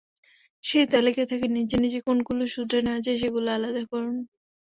সেই তালিকা থেকে নিজে নিজে কোনগুলো শুধরে নেওয়া যায়, সেগুলো আলাদা করুন।